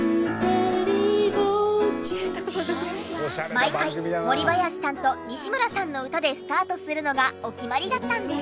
毎回もりばやしさんと西村さんの歌でスタートするのがお決まりだったんです。